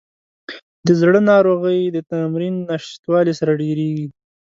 د زړه ناروغۍ د تمرین نشتوالي سره ډېریږي.